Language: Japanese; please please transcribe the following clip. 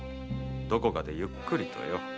どこかでゆっくりとよ。